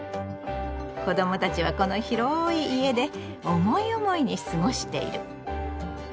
子どもたちはこの広い家で思い思いに過ごしている。